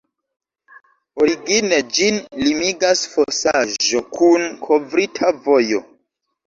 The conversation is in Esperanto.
Origine ĝin limigas fosaĵo kun kovrita vojo.